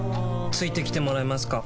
付いてきてもらえますか？